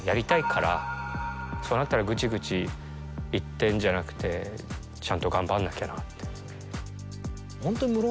そうなったグチグチ言ってんじゃなくてちゃんと頑張んなきゃなって。